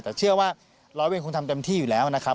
แต่เชื่อว่าร้อยเวรคงทำเต็มที่อยู่แล้วนะครับ